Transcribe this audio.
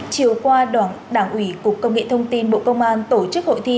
chiều qua đảng ủy cục công nghệ thông tin bộ công an tổ chức hội thi